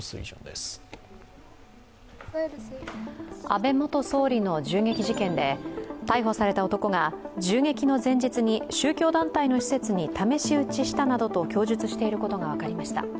安倍元総理の銃撃事件で逮捕された男が銃撃の前日に宗教団体の施設に試し撃ちしたなどと供述していることが分かりました。